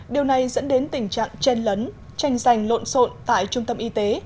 điều này dẫn đến tình trạng chen lấn tranh giành lộn xộn tại trung tâm y tế